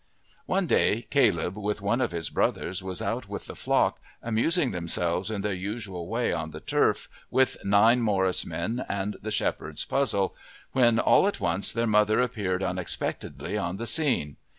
One day Caleb, with one of his brothers, was out with the flock, amusing themselves in their usual way on the turf with nine morris men and the shepherd's puzzle, when all at once their mother appeared unexpectedly on the scene.